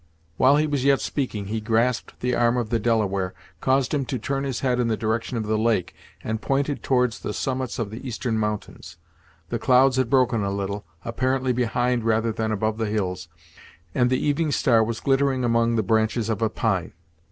While he was yet speaking, he grasped the arm of the Delaware, caused him to turn his head in the direction of the lake, and pointed towards the summits of the eastern mountains. The clouds had broken a little, apparently behind rather than above the hills, and the evening star was glittering among the branches of a pine.